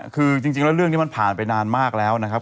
คือจริงแล้วเรื่องนี้มันผ่านไปนานมากแล้วนะครับ